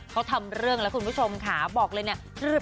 เขาทำเรื่องแล้วคุณผู้ชมค่ะบอกเลยเนี่ย